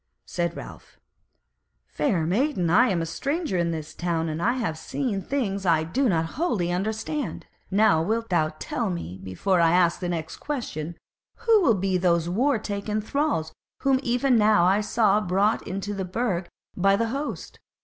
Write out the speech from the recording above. Said Ralph: "Fair maiden, I am a stranger in this town, and have seen things I do not wholly understand; now wilt thou tell me before I ask the next question, who will be those war taken thralls whom even now I saw brought into the Burg by the host?